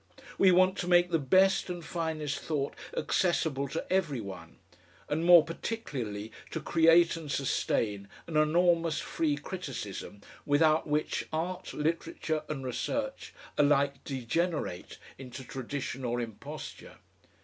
We want to make the best and finest thought accessible to every one, and more particularly to create and sustain an enormous free criticism, without which art, literature, and research alike degenerate into tradition or imposture.